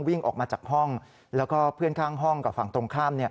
วิ่งออกมาจากห้องแล้วก็เพื่อนข้างห้องกับฝั่งตรงข้าม